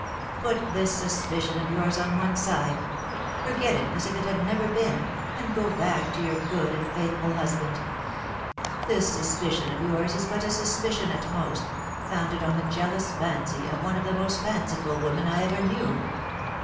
Put this suspicion of yours on one side forget it as if it had never been, and go back to your good and faithful husband. This suspicion of yours is but a suspicion at most, founded on the jealous fancy of one of the most fanciful women I ever knew.